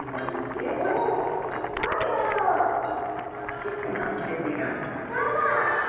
ちっちゃなお手手がこんにちは。